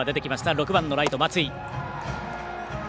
６番のライト、松井。